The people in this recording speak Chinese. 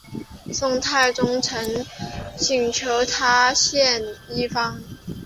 宋太宗曾请求他献医方。